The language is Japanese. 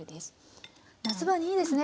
夏場にいいですね。